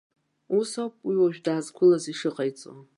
Ус ауп уи уажә даазқәылаз ишыҟаиҵо.